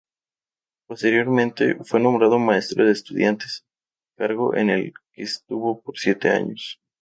Posteriormente, fue nombrado Maestro de Estudiantes, cargo en el que estuvo por siete años.